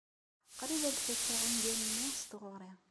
Qrib ad fakeɣ ungal-nni s tɣuri.